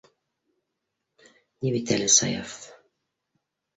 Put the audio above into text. Ни бит әле, Саяф...